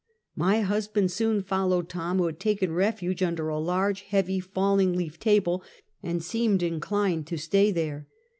My husband soon followed Tom, who had taken refuge under a large heavy falling leaf table, and seemed inclined to stay there.